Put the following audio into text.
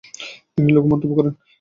তিনি লঘু মন্তব্য করেন।